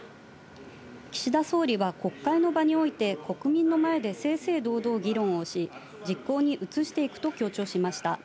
岸田総理は国会の場において、国民の前で正々堂々議論をし、実行に移していくと強調しました。